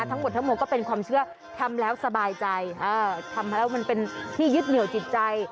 ทั้งหมดทั้งหมดก็เป็นความเชื่อทำแล้วสบายใจเออทำมาแล้วมันเป็นที่ยึดเหนียวจิตใจ